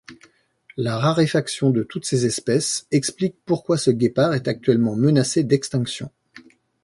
La raréfaction de toutes ces espèces explique pourquoi ce guépard est actuellement menacé d'extinction.